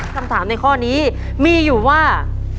คำถามในข้อนี้มีอยู่ว่า